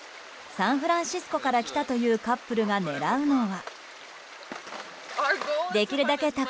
サンフランシスコから来たというカップルが狙うのは。